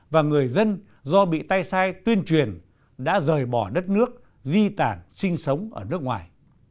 và người dân do bị tay sai tuyên truyền đã rời bỏ đất nước di tản sinh sống ở nước ngoài